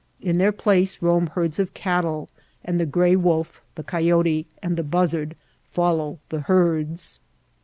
In their place roam herds of cattle, and the gray wolf, the coyote, and the buzzard follow the herds.